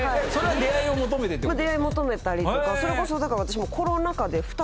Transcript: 出会いを求めたりとかそれこそだから私も。